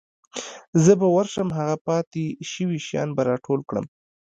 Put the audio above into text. زه به ورشم هغه پاتې شوي شیان به راټول کړم.